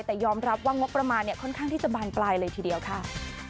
แต่ยอมรับว่างบประมาณค่อนข้างที่จะบานปลายเลยทีเดียวค่ะ